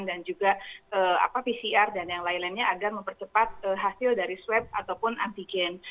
dan juga pcr dan yang lain lainnya agar mempercepat hasil dari swab ataupun antigen